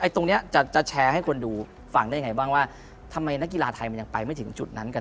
ตรงนี้จะแชร์ให้คนดูฟังได้ยังไงบ้างว่าทำไมนักกีฬาไทยมันยังไปไม่ถึงจุดนั้นกัน